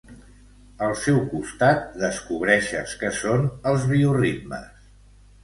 Al seu costat descobreixes què són els bioritmes.